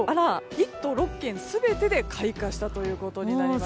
１都６県全てで開花したことになります。